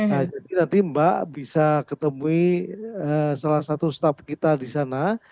jadi nanti mbak bisa ketemui salah satu staff kita di sana